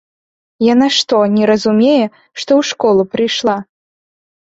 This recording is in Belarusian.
Яна што не разумее, што ў школу прыйшла?